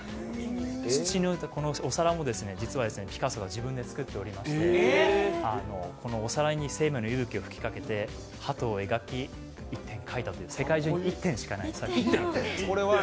このお皿も実はピカソが自分で作っていましてこのお皿に生命の息吹を吹きかけて鳩を描いたという、世界中に１点しかない作品です。